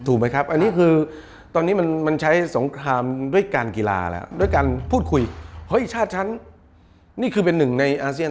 ถูกไหมครับอันนี้คือตอนนี้มันใช้สงครามด้วยการกีฬาแล้วด้วยการพูดคุยเฮ้ยชาติฉันนี่คือเป็นหนึ่งในอาเซียน